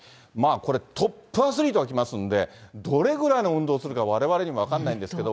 これ、トップアスリートが来ますので、どれぐらいの運動をするかわれわれにも分からないんですけど。